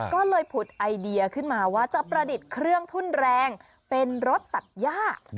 ก็เลยผุดไอเดียขึ้นมาว่าจะประดิษฐ์เครื่องทุ่นแรงเป็นรถตัดย่า